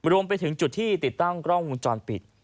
รวมไปถึงจุดที่ติดตั้งกล้องวงจรปิด